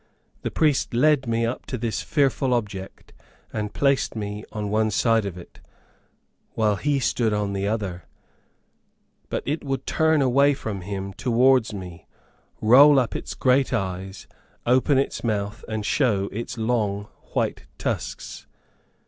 The priest led me up to this fearful object, and placed me on one side of it, while he stood on the other; but it would turn away from him towards me, roll up its great eyes, open its mouth and show its long white tusks.